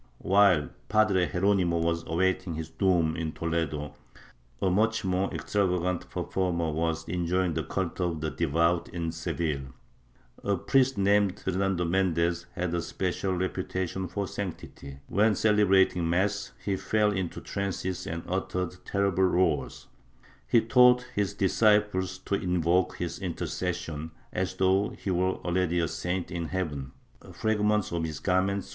While Padre Geronimo was awaiting his doom in Toledo, a much more extravagant performer was enjoying the cult of the devout in Seville. A priest named Fer nando Mendez had a special reputation for sanctity; when cele brating mass he fell into trances and uttered terrible roars; he taught his disciples to invoke his intercession, as though he were already a saint in heaven; fragments of his garments were treas 1 MSS.